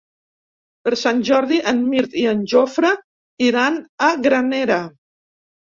Per Sant Jordi en Mirt i en Jofre iran a Granera.